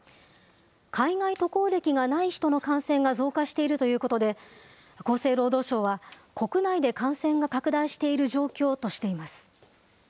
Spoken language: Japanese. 海外渡航歴がない人の感染が増加しているということで、厚生労働省は国内で感染が拡大している状況としています。